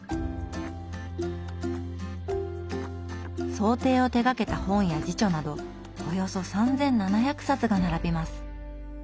装丁を手がけた本や自著などおよそ３，７００冊が並びます。